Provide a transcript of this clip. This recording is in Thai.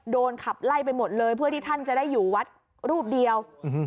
ขับไล่ไปหมดเลยเพื่อที่ท่านจะได้อยู่วัดรูปเดียว